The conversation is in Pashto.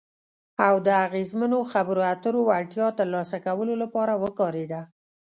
او د اغیزمنو خبرو اترو وړتیا ترلاسه کولو لپاره وکارېده.